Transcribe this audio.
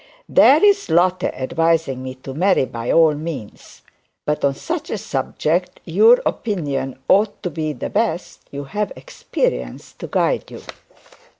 'There's Lotte advising me to marry by all means. But on such a subject your opinion ought to be the best; you have experience to guide you.'